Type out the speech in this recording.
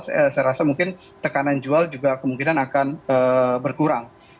saya rasa mungkin tekanan jual juga kemungkinan akan berkurang